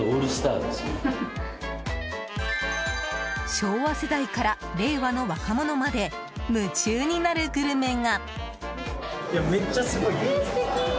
昭和世代から令和の若者まで夢中になるグルメが。